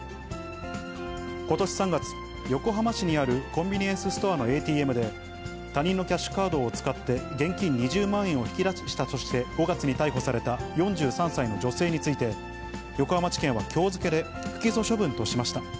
ことし３月、横浜市にあるコンビニエンスストアのＡＴＭで、他人のキャッシュカードを使って現金２０万円を引き出したとして、５月に逮捕された４３歳の女性について、横浜地検はきょう付けで不起訴処分としました。